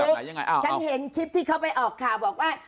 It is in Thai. อ้าวทีมีคลิปที่เขาไปบอกว่า